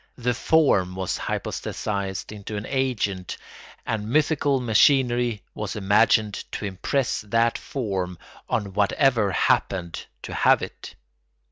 The form was hypostasised into an agent, and mythical machinery was imagined to impress that form on whatever happened to have it.